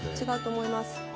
違うと思います。